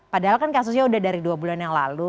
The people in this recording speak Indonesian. padahal kan kasusnya udah dari dua bulan yang lalu